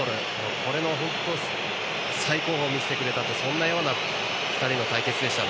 その最高峰を見せてくれたというそんなような２人の対決でした。